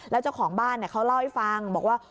แล้วเจ้าของบ้านเขาเล่าให้ฟังบอกว่า